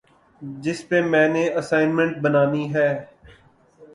جس پہ میں نے اسائنمنٹ بنانی ہے